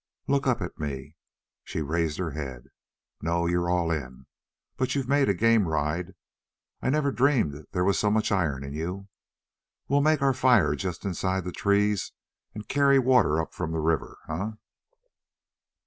"Look up at me." She raised her head. "No; you're all in. But you've made a game ride. I never dreamed there was so much iron in you. We'll make our fire just inside the trees and carry water up from the river, eh?"